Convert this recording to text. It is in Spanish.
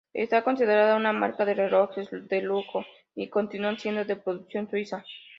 Está considerada una marca de relojes de lujo y continúan siendo de producción suiza.